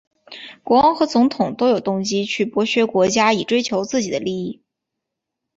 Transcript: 国王和总统都有动机会去剥削国家以追求自己的利益。